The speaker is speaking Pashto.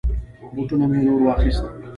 بوټونه می نور واخيست.